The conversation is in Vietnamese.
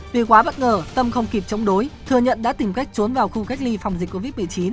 vì quá bất ngờ tâm không kịp chống đối thừa nhận đã tìm cách trốn vào khu cách ly phòng dịch covid một mươi chín